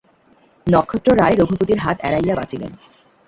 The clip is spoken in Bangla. নক্ষত্ররায় রঘুপতির হাত এড়াইয়া বাঁচিলেন।